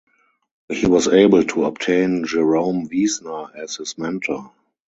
He was able to obtain Jerome Wiesner as his mentor.